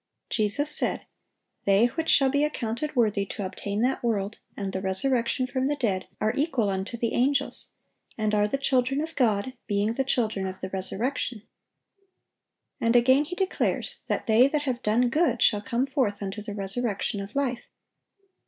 Jesus said, "They which shall be accounted worthy to obtain that world, and the resurrection from the dead, ... are equal unto the angels; and are the children of God, being the children of the resurrection."(851) And again He declares that "they that have done good" shall come forth "unto the resurrection of life."